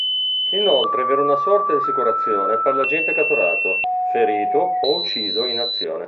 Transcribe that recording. Inoltre v’era una sorta di assicurazione per l’agente catturato, ferito o ucciso in azione.